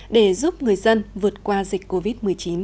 để giúp người dân vượt qua dịch covid một mươi chín